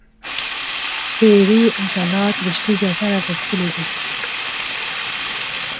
پېړې عضلاتي رشتې زیاتره غښتلي دي.